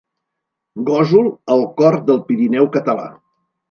Gósol, el cor del Pirineu català.